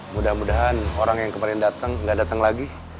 mudah mudahan orang yang kemarin datang nggak datang lagi